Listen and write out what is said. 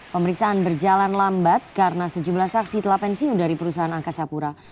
pemeriksaan berjalan lambat karena sejumlah saksi telah pensiun dari perusahaan angkasa pura